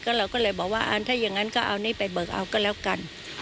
เราก็เลยบอกว่าถ้าอย่างนั้นก็เอานี่ไปเบิกเอาก็แล้วกัน